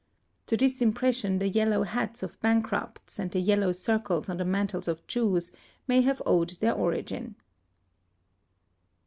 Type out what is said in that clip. To this impression the yellow hats of bankrupts and the yellow circles on the mantles of Jews, may have owed their origin.